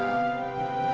manusia yang terbaik